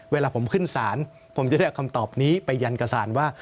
เวลาผมขึ้นศาลผมจะได้เอาคำตอบนี้ไปยันกระสานว่า